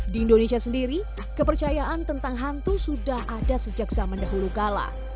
di indonesia sendiri kepercayaan tentang hantu sudah ada sejak zaman dahulu kala